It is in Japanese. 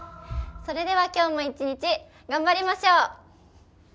それでは、今日も一日、頑張りましょう！